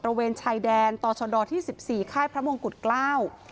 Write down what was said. เวนชายแดนต่อชดที่สิบสี่ค่ายพระมงกุฎเกล้า